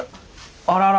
あらら。